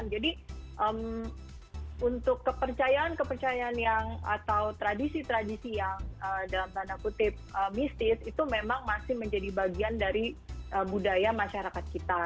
jadi untuk kepercayaan kepercayaan yang atau tradisi tradisi yang dalam tanda kutip mistis itu memang masih menjadi bagian dari budaya masyarakat kita